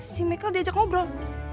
si makel diajak ngobrol